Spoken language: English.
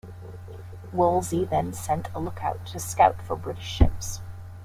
Woolsey then sent a lookout to scout for British ships.